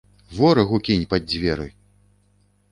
Ворагу кінь пад дзверы!